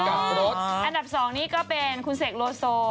อันดับสองก็เป็นคุณเซ็กโลโซ